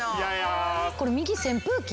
これ右扇風機？